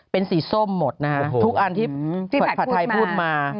เป็นสีส้มหมดนะฮะทุกอันที่ผัดไทยพูดมา